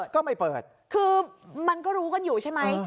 ก็ไม่เปิดคือมันก็รู้กันอยู่ใช่ไหม